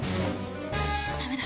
ダメだ。